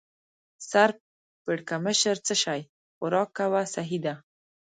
سر پړکمشر: څه شی؟ خوراک کوه، سهي ده.